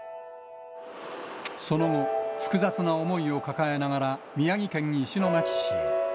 その後、複雑な思いを抱えながら、宮城県石巻市へ。